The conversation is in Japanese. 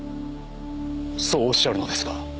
そうおっしゃるのですか？